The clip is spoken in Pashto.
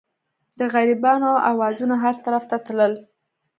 د غریبانو اوازونه هر طرف ته تلل.